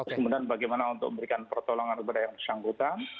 kemudian bagaimana untuk memberikan pertolongan kepada yang bersangkutan